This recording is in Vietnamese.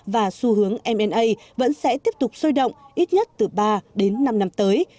và xu hướng mna vẫn sẽ tiếp tục sôi động ít nhất từ ba đến năm năm tới